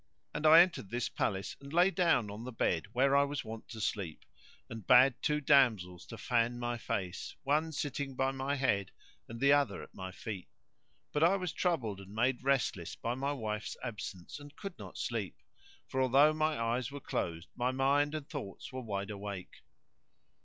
And I entered this palace and lay down on the bed where I was wont to sleep and bade two damsels to fan my face, one sitting by my head and the other at my feet. But I was troubled and made restless by my wife's absence and could not sleep; for although my eyes were closed my mind and thoughts were wide awake.